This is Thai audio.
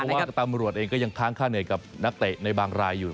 เพราะว่าตำรวจเองก็ยังค้างค่าเหนื่อยกับนักเตะในบางรายอยู่